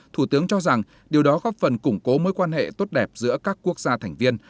thủ tướng cho rằng điều đó góp phần củng cố mối quan hệ tốt đẹp giữa các quốc gia thành viên